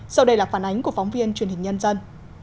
sau đây là phản ánh của phóng viên truyền hình nhân dân